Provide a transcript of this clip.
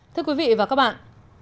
thưa quý vị và các bạn